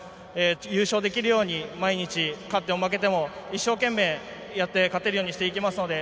優勝できるように毎日、勝っても負けても一生懸命やって勝てるようにしていきますので